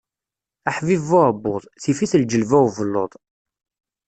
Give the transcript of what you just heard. Aḥbib bu uɛebbuḍ, tif-it lgelba n ubellud.